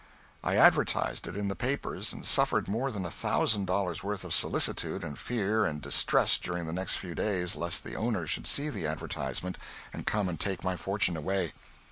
I advertised it in the papers and suffered more than a thousand dollars' worth of solicitude and fear and distress during the next few days lest the owner should see the advertisement and come and take my fortune away.